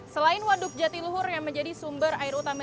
selain waduk jatiluhur yang menjadi sumber air utama